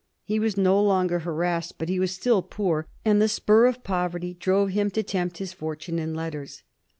He was no longer harassed, but he was still poor, and the spur of poverty drove him to tempt his fortune in letters.